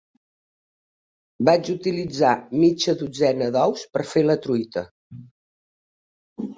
Vaig utilitzar mitja dotzena d'ous per fer la truita.